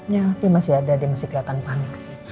iya dia masih ada dia masih keliatan panik sih